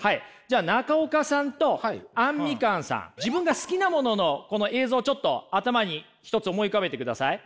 中岡さんとあんみかんさん自分が好きなもののこの映像をちょっと頭に一つ思い浮かべてください。